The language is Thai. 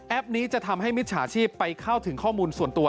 นี้จะทำให้มิจฉาชีพไปเข้าถึงข้อมูลส่วนตัว